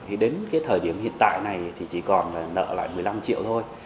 thì đến cái thời điểm hiện tại này thì chỉ còn là nợ lại một mươi năm triệu thôi